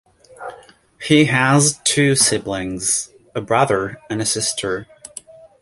He has two siblings, a brother and sister.